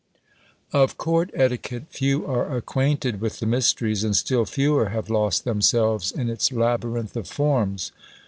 Of court etiquette few are acquainted with the mysteries, and still fewer have lost themselves in its labyrinth of forms.